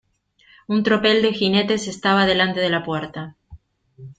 un tropel de jinetes estaba delante de la puerta.